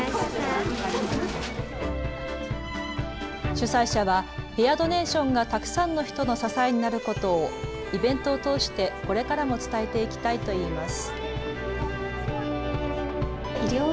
主催者はヘアドネーションがたくさんの人の支えになることをイベントを通してこれからも伝えていきたいといいます。